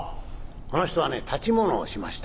この人はね断ちものをしましたよ」。